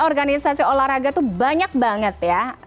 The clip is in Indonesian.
organisasi olahraga tuh banyak banget ya